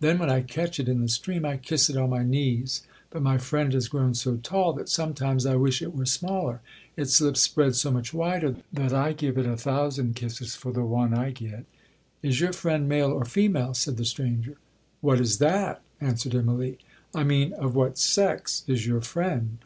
Then when I catch it in the stream, I kiss it on my knees; but my friend has grown so tall, that sometimes I wish it were smaller. Its lips spread so much wider, that I give it a thousand kisses for one that I get.' 'Is your friend male or female,' said the stranger.—'What is that?' answered Immalee.—'I mean, of what sex is your friend?'